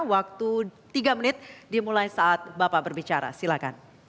waktu tiga menit dimulai saat bapak berbicara silakan